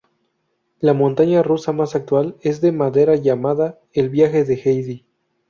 La montaña rusa más actual, es de madera llamada "El viaje de Heidi".